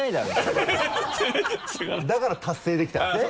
だから達成できたんですね